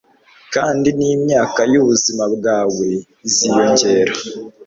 kandi n'imyaka y'ubuzima bwawe iziyongera